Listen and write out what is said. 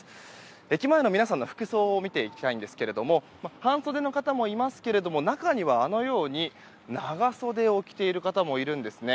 駅前の皆さんの服装を見ていきたいんですけれども半袖の方もいますが中には長袖を着ている方もいるんですね。